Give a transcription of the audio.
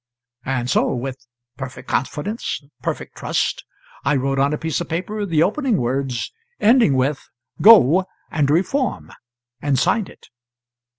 And so with perfect confidence, perfect trust, I wrote on a piece of paper the opening words ending with "Go, and reform," and signed it.